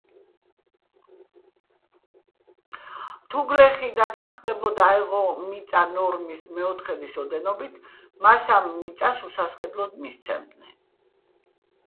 თუ გლეხი დათანხმდებოდა აეღო მიწა ნორმის მეოთხედის ოდენობით, მას ამ მიწას უსასყიდლოდ მისცემდნენ.